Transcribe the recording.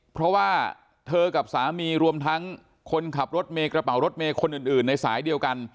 เพราะว่าเธอกับสามีรวมทั้งคนขับรถเมย์กระเป๋ารถเมย์คนอื่นในสายเดียวกัน